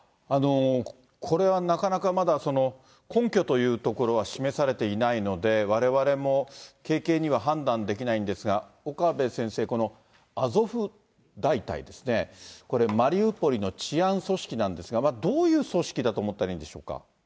これはなかなかまだ、根拠というところは示されていないので、われわれも軽々には判断できないんですが、岡部先生、アゾフ大隊ですね、これ、マリウポリの治安組織なんですが、どういう組織だと思ったらいいんでしょうか。